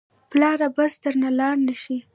پلاره بس درنه لاړ نه شي.